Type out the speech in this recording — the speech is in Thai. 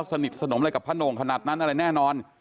สนิทสนมอะไรกับพระโหน่งขนาดนั้นอะไรแน่นอน